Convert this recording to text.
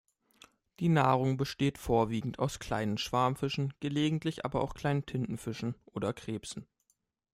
Die Nahrung besteht vorwiegend aus kleinen Schwarmfischen, gelegentlich aber auch kleinen Tintenfischen oder Krebsen.